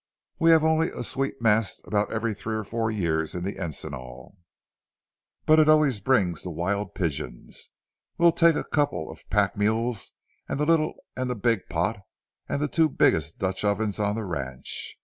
We only have a sweet mast about every three or four years in the encinal, but it always brings the wild pigeons. We'll take a couple of pack mules and the little and the big pot and the two biggest Dutch ovens on the ranch.